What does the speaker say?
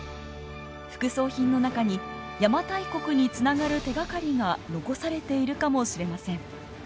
副葬品の中に邪馬台国につながる手がかりが残されているかもしれません。